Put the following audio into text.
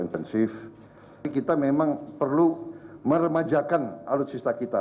tapi kita memang perlu meremajakan alutsista kita